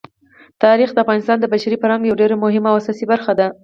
تاریخ د افغانستان د بشري فرهنګ یوه ډېره مهمه او اساسي برخه ده.